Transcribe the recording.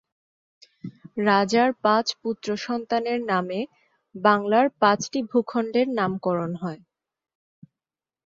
রাজার পাঁচ পুত্র সন্তানের নামে বাংলার পাঁচটি ভূখন্ডের নামকরণ হয়।